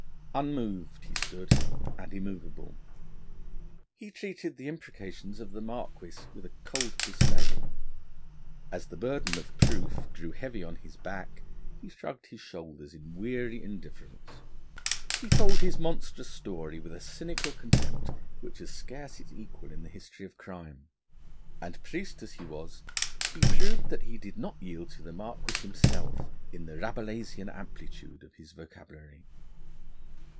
Unmoved he stood and immovable; he treated the imprecations of the Marquis with a cold disdain; as the burden of proof grew heavy on his back, he shrugged his shoulders in weary indifference. He told his monstrous story with a cynical contempt, which has scarce its equal in the history of crime; and priest, as he was, he proved that he did not yield to the Marquis himself in the Rabelaisian amplitude of his vocabulary.